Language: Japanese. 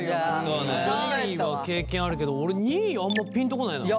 ３位は経験あるけど俺２位あんまピンとこないな。